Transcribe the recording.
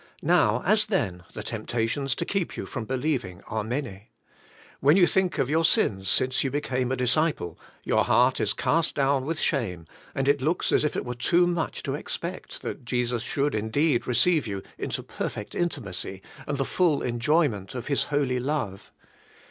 Now, as then, the temptations to keep you from believing are many. When you think of your sins since you became a disciple, your heart is cast down with shame, and it looks as if it were too much to expect that Jesus should indeed receive you into perfect intimacy, and the full enjoy ment of His holy love.